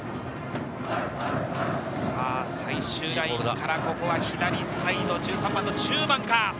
最終ラインからここは左サイド、１３番の中馬か？